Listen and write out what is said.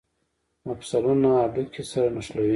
مفصلونه هډوکي سره نښلوي